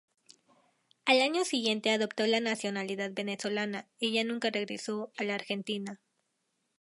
Al año siguiente adoptó la nacionalidad venezolana y ya nunca regresó a la Argentina.